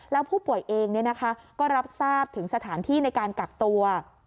แล้วผู้ป่วยเองก็รับทราบถึงสถานที่ในการกักตัว